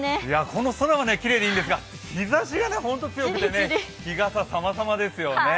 この空はきれいでいいんですが、日ざしがホント強くてね、日傘さまさまですよね。